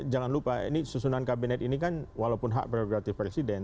jangan lupa ini susunan kabinet ini kan walaupun hak prerogatif presiden